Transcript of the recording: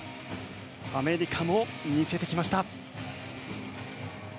アメリカも見せてきました。